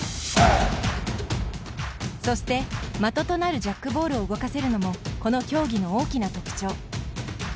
そして的となるジャックボールを動かせるのもこの競技の大きな特徴。